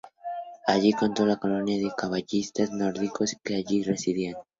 Allí contactó con la colonia de caravaggistas nórdicos que allí residían.